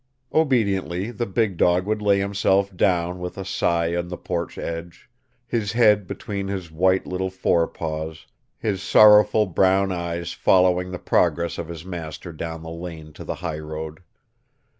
Obediently the big dog would lay himself down with a sigh on the porch edge; his head between his white little forepaws; his sorrowful brown eyes following the progress of his master down the lane to the highroad.